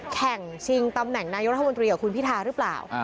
ชิงตำแหน่งนายกรัฐมนตรีกับคุณพิทาหรือเปล่า